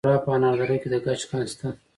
د فراه په انار دره کې د ګچ کان شته.